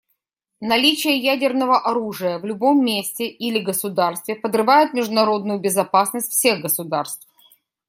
Наличие ядерного оружия в любом месте или государстве подрывает международную безопасность всех государств.